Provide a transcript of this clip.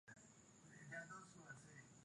alama hizo ziliripoti kwa hivyo tulianza safari